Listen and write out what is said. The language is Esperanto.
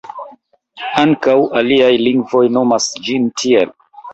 Ankaŭ aliaj lingvoj nomas ĝin tiel.